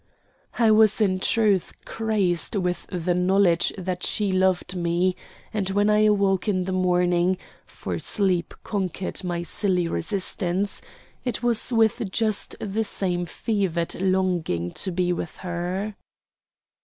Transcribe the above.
I was in truth crazed with the knowledge that she loved me; and when I awoke in the morning for sleep conquered my silly resistance it was with just the same fevered longing to be with her.